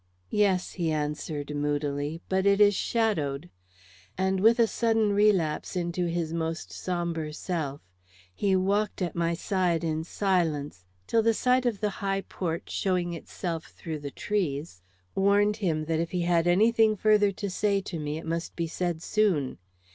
"Yes," he answered, moodily; "but it is shadowed." And with a sudden relapse into his most sombre self, he walked at my side in silence, till the sight of the high porch showing itself through the trees warned him that if he had any thing further to say to me, it must be said soon.